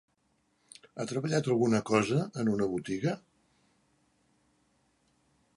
Ha treballat alguna cosa en una botiga?